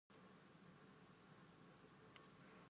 Kamu pernah ke Paris?